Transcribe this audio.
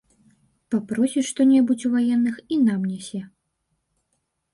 Папросіць што-небудзь у ваенных і нам нясе.